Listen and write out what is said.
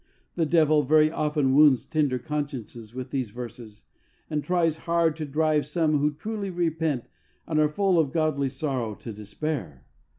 The devil very often wounds tender consciences with these verses, and tries hard to drive some who truly repent and are full of Godly sorrow to despair.